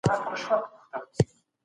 که همږغي نه وي ټولنيز ځواکونه زيان ويني.